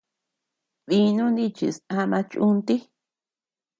Dinu nichis ama chúntii.